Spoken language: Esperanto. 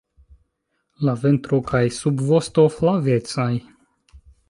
La ventro kaj subvosto flavecaj.